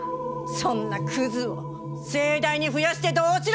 そんなクズを盛大に増やしてどうしろと言うのじゃ！